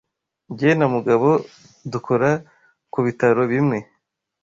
Jye na Mugabo dukora ku bitaro bimwe.